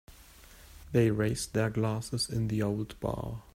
They raised their glasses in the old bar.